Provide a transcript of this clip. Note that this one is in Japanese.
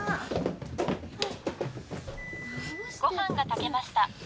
ご飯が炊けました。